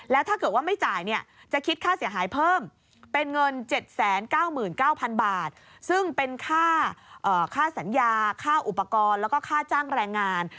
แล้วถ้าเกิดว่าไม่จ่ายเนี่ยจะคิดค่าเสียหายเพิ่มเป็นเงิน๗๙๙๐๐บาทซึ่งเป็นค่าสัญญาค่าอุปกรณ์แล้วก็ค่าจ้างแรงงาน